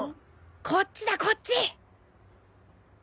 こっちだこっち！